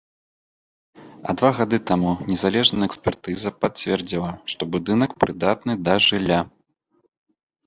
А два гады таму незалежная экспертыза пацвердзіла, што будынак прыдатны да жылля.